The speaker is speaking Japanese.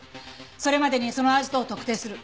それまでにそのアジトを特定する。